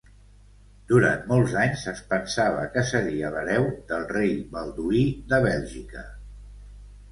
Durant molts anys, es pensava que seria l'hereu del rei Balduí de Bèlgica.